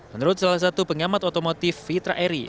menurut salah satu pengamat otomotif fitra eri